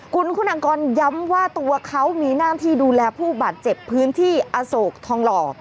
คุณคุณอังกรย้ำว่าตัวเขามีหน้าที่ดูแลผู้บาดเจ็บพื้นที่อโศกทองหล่อ